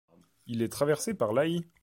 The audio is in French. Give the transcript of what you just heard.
Il est traversé par l'Ay.